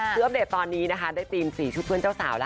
เพื่ออัพเดทตอนนี้ได้พิมพ์๔ชุดเพื่อนเจ้าสาว